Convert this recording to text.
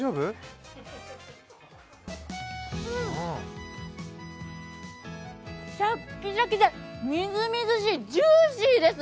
うん、シャッキシャキでみずみずしい、ジューシーです。